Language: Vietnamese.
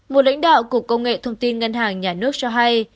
một lãnh đạo cục công nghệ thông tin ngân hàng nhà nước cho hay